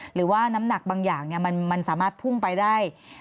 หรือว่าน้ำหนักบางอย่างมันสามารถพุ่งไปได้